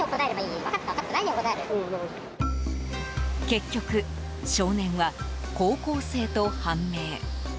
結局、少年は高校生と判明。